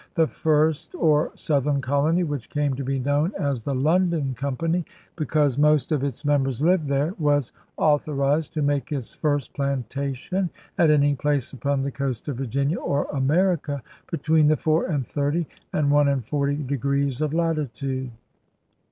The 'first' or 'southern colony,' which came to be known as the London Company because most of its members lived there, was au thorized to make its 'first plantation at any place upon the coast of Virginia or America between the four and thirty and one and forty degrees of latitude.